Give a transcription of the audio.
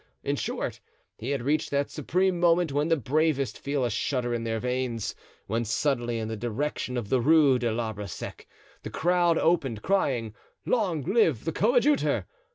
In short, he had reached that supreme moment when the bravest feel a shudder in their veins, when suddenly, in the direction of the Rue de l'Arbre Sec, the crowd opened, crying: "Long live the coadjutor!"